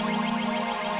fadil mau keluar pak